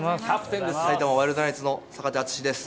埼玉ワイルドナイツの坂手淳史です。